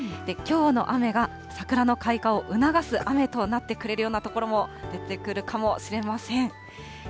きょうの雨が、桜の開花を促す雨となってくれるような所も出てくるかもしれません。